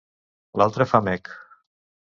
L'altre fa mec.